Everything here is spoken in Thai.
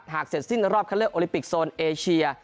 เสร็จสิ้นรอบคันเลือกโอลิปิกโซนเอเชีย